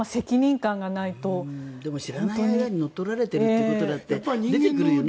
でも知らない間に乗っ取られることだって出てくるよね。